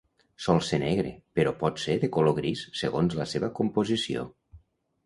Sol ser negre però pot ser de color gris segons la seva composició.